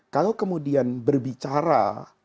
kalau kemudian berbicara